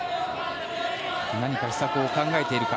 何か秘策を考えているか。